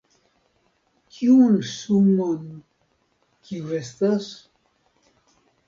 Kiun sumon kiu restas??